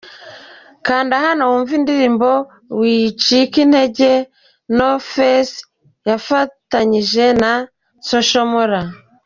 Kanda hano wumve indirimbo ‘Wicika intege’ No Face yafatanyije na Social Mula .